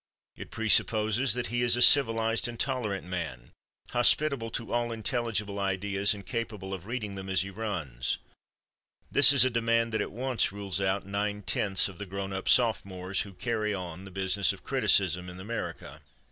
It presupposes that he is a civilized and tolerant man, hospitable to all intelligible ideas and capable of reading them as he runs. This is a demand that at once rules out nine tenths of the grown up sophomores who carry on the business of criticism in America.